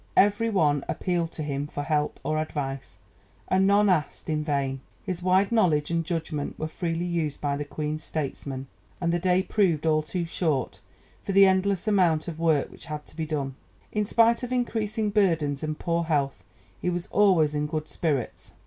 Every one appealed to him for help or advice, and none asked in vain. His wide knowledge and judgment were freely used by the Queen's statesmen, and the day proved all too short for the endless amount of work which had to be done. In spite of increasing burdens and poor health he was always in good spirits.